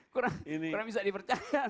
kurang bisa dipercaya